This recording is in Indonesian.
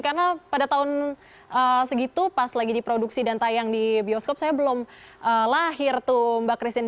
karena pada tahun segitu pas lagi diproduksi dan tayang di bioskop saya belum lahir tuh mbak christine